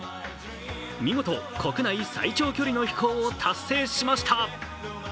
見事、国内最長距離の飛行を達成しました。